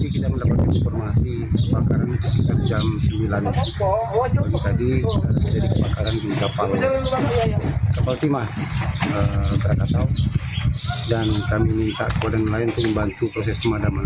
kepala timah terbakar tahu dan kami minta kepadang nelayan untuk membantu proses kemadaman